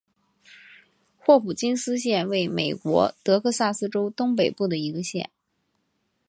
霍普金斯县位美国德克萨斯州东北部的一个县。